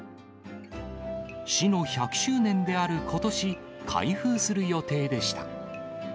市の１００周年であることし、開封する予定でした。